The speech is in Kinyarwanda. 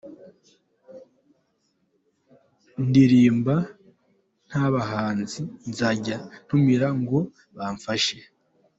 ndirimba, ntabahanzi nzajya ntumira ngo bamfashe.